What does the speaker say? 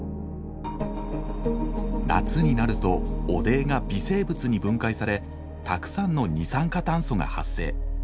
夏になると汚泥が微生物に分解されたくさんの二酸化炭素が発生。